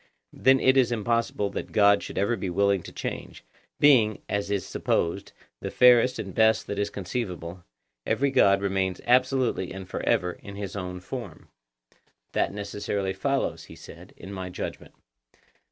Then it is impossible that God should ever be willing to change; being, as is supposed, the fairest and best that is conceivable, every God remains absolutely and for ever in his own form. That necessarily follows, he said, in my judgment.